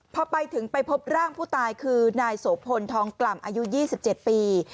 พอไปถึงไปพบร่างผู้ตายคือนายโสพลทองกล่ำอายุ๒๗ปี